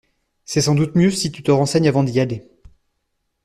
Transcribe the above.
C'est sans doute mieux si tu te renseignes avant d'y aller.